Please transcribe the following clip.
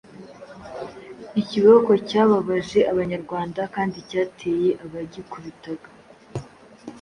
Ikiboko cyababaje Abanyarwanda kandi cyateye abagikubitaga